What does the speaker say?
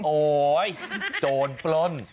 โอ๊ยโจรปล้น